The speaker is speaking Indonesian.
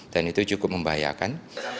dan itu cukup membahayakan